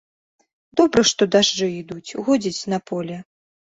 Добра, што дажджы ідуць, годзіць на поле.